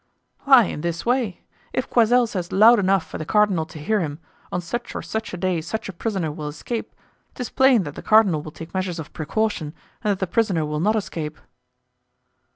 "Why, in this way: if Coysel says loud enough for the cardinal to hear him, on such or such a day such a prisoner will escape, 'tis plain that the cardinal will take measures of precaution and that the prisoner will not escape."